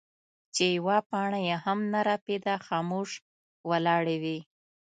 چې يوه پاڼه يې هم نۀ رپيده خاموش ولاړې وې ـ